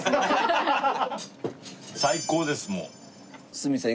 鷲見さん